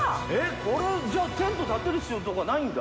これじゃあテント建てる必要とかないんだ。